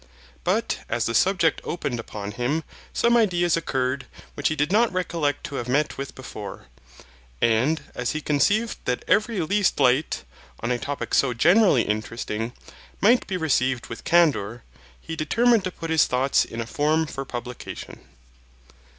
But as the subject opened upon him, some ideas occurred, which he did not recollect to have met with before; and as he conceived that every least light, on a topic so generally interesting, might be received with candour, he determined to put his thoughts in a form for publication.